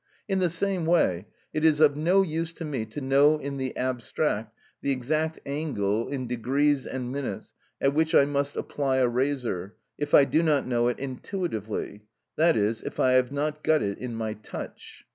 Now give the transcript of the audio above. In the same way it is of no use to me to know in the abstract the exact angle, in degrees and minutes, at which I must apply a razor, if I do not know it intuitively, that is, if I have not got it in my touch.